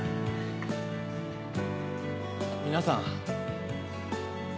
皆さん。